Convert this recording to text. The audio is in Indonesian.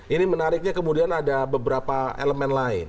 ini menariknya kemudian ada beberapa elemen lain